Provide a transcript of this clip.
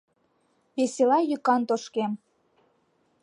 Весела йӱкан тошкем.